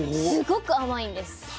すごく甘いんです。